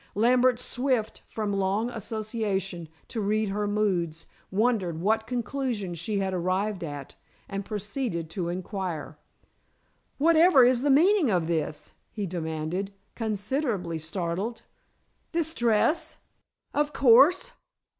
Lambert, swift, from long association, to read her moods, wondered what conclusion she had arrived at, and proceeded to inquire. "Whatever is the meaning of this?" he demanded, considerably startled. "This dress?" "Of course.